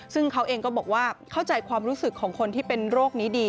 ซึ่งเขาเองก็บอกว่าเข้าใจความรู้สึกของคนที่เป็นโรคนี้ดี